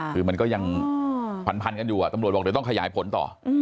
คือมันก็ยังพันกันอยู่ตำรวจบอกเดี๋ยวต้องขยายผลต่อ